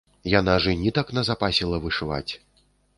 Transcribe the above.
Яна ж і нітак назапасіла вышываць.